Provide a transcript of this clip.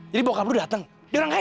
jadi bokap lu dateng dia orang kaya